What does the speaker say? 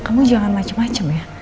kamu jangan macem macem ya